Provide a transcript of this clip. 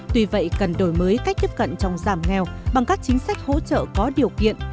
tuy vậy cần đổi mới cách tiếp cận trong giảm nghèo bằng các chính sách hỗ trợ có điều kiện